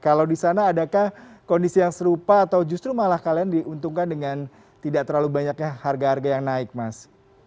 kalau di sana adakah kondisi yang serupa atau justru malah kalian diuntungkan dengan tidak terlalu banyaknya harga harga yang naik mas